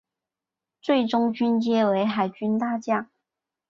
最终军阶为海军大将。